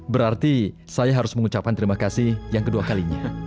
berarti saya harus mengucapkan terima kasih yang kedua kalinya